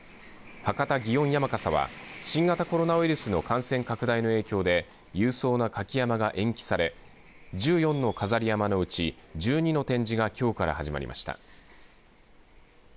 博多祇園山笠は新型コロナウイルスの感染拡大の影響で勇壮な舁き山笠が延期され１４の飾り山笠のうち１２の展示がきょうから始まりました。